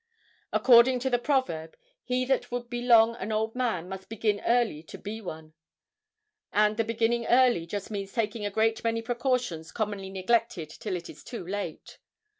According to the proverb, he that would be long an old man must begin early to be one, and the beginning early just means taking a great many precautions commonly neglected till it is too late.